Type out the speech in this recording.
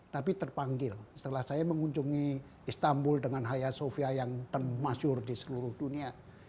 tapi terpanggil setelah saya mengunjungi istanbul dengan haya sofia yang termasyur di seluruh dunia